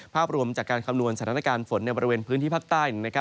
ภาพรวมจากการคำนวณสถานการณ์ฝนในบริเวณพื้นที่ภาคใต้